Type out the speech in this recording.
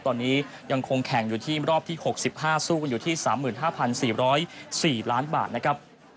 ตอนนี้ยังคงแข่งอยู่ที่รอบที่๖๕สู้กันอยู่ที่๓๕๔๐๔ล้านบาทนะครับ